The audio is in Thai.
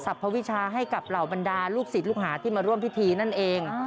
ภวิชาให้กับเหล่าบรรดาลูกศิษย์ลูกหาที่มาร่วมพิธีนั่นเอง